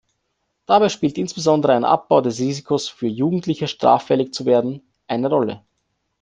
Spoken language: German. Dabei spielt insbesondere ein Abbau des Risikos für Jugendliche, straffällig zu werden, eine Rolle.